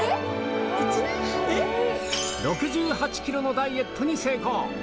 ６８ｋｇのダイエットに成功